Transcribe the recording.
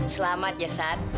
selamat ya sat